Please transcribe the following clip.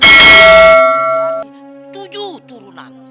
dari tujuh turunan